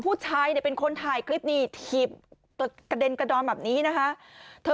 ผู้ชายเนี่ยเป็นคนถ่ายคลิปนี่ถีบกระเด็นกระดอนแบบนี้นะคะเธอ